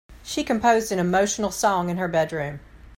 She composed an emotional song in her bedroom.